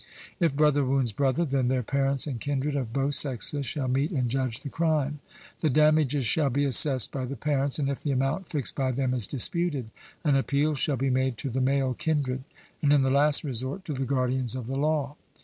If brother wounds brother, then their parents and kindred, of both sexes, shall meet and judge the crime. The damages shall be assessed by the parents; and if the amount fixed by them is disputed, an appeal shall be made to the male kindred; or in the last resort to the guardians of the law.